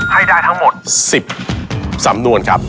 ให้ได้ทั้งหมด๑๐สำนวนครับ